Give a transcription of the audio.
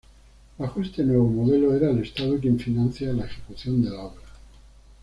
Bajo este nuevo modelo, era el Estado quien financia la ejecución de la obra.